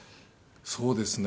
そうですね。